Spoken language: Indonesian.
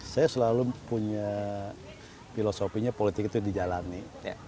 saya selalu punya filosofinya politik itu dijalani